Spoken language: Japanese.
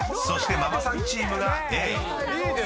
［そしてママさんチームがＡ］